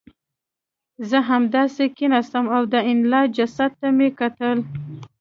زه همداسې کېناستم او د انیلا جسد ته مې کتل